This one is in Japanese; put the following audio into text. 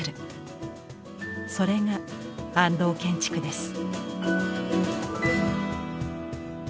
それが安藤建築です。